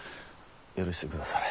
許してくだされ。